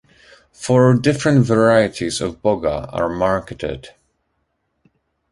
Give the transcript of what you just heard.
Four different varieties of Boga are marketed.